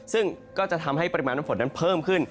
ซึ่งก็จะทำให้ปริมาณน้ำฝนนั้นเพิ่มขึ้น